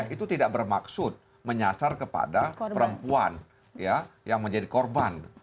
itu tidak bermaksud menyasar kepada perempuan yang menjadi korban